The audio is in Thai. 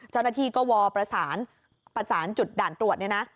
เจ้าหน้าที่ก็วอประสานจุดด่านตรวจ